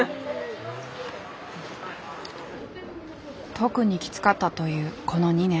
特にきつかったというこの２年。